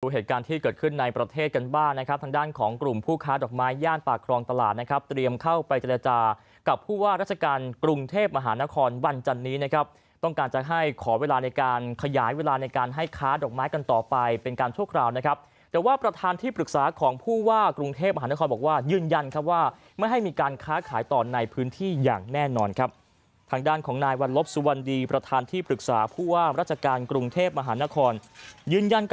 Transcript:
เหตุการณ์ที่เกิดขึ้นในประเทศกันบ้างนะครับทางด้านของกลุ่มผู้ค้าดอกไม้ย่านปากครองตลาดนะครับเตรียมเข้าไปเจรจากับผู้ว่าราชการกรุงเทพมหานครวันจันนี้นะครับต้องการจะให้ขอเวลาในการขยายเวลาในการให้ค้าดอกไม้กันต่อไปเป็นการช่วงคราวนะครับแต่ว่าประธานที่ปรึกษาของผู้ว่ากรุงเทพมหานครบอกว่ายืน